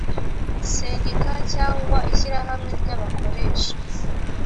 sendika cyangwa ishyirahamwe ry abakoresha